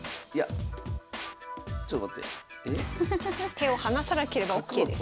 手を離さなければＯＫです。